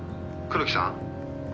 「黒木さん？」